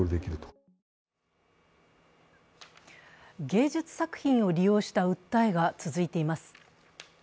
芸術作品を利用した訴えが続いています。